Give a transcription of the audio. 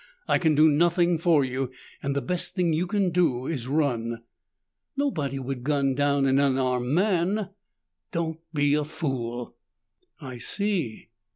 I can do nothing for you, and the best thing you can do is run." "Nobody would gun down an unarmed man." "Don't be a fool." "I see.